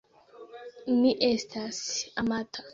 Mi estas amata.